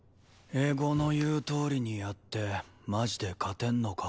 絵心の言うとおりにやってマジで勝てんのか？